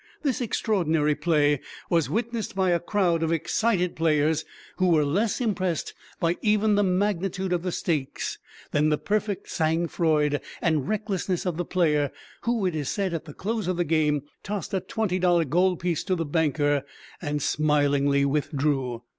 This extraordinary play was witnessed by a crowd of excited players, who were less impressed by even the magnitude of the stakes than the perfect sang froid and recklessness of the player, who, it is said, at the close of the game tossed a twenty dollar gold piece to the banker and smilingly withdrew.